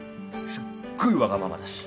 すっごいわがままだし。